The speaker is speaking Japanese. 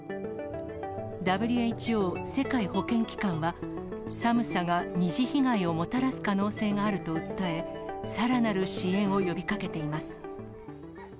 ＷＨＯ・世界保健機関は、寒さが二次被害をもたらす可能性があると訴え、さらなる支援を呼びかけています。